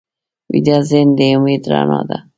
ویده ذهن د امید رڼا ده